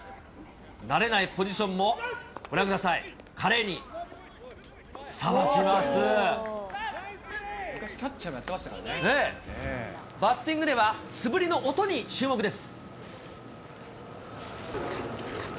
慣れないポジションもご覧ください、昔、キャッチャーもやってまバッティングでは、素振りの音に注目です。